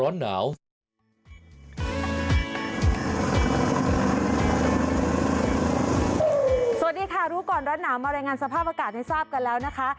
สวัสดีค่ะรู้ก่อนร้อนหนาวมารายงานสภาพอากาศให้ทราบกันแล้วนะคะ